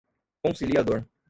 conciliador